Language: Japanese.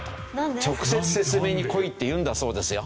直接説明に来いって言うんだそうですよ。